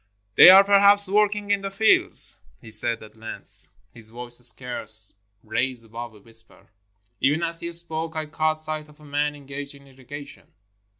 "They are perhaps working in the fields," he said at length ; his voice scarce raised above a whisper. Even as he spoke, I caught sight of a man engaged in irrigation.